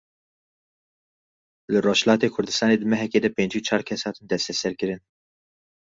Li Rojhilatê Kurdistanê di mehekê de pêncî û çar kes hatin desteserkirin.